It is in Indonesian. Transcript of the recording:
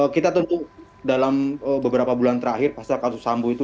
kita tentu dalam beberapa bulan terakhir pasca kasus sambu itu